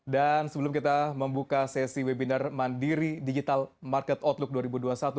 dan sebelum kita membuka sesi webinar mandiri digital market outlook dua ribu dua puluh satu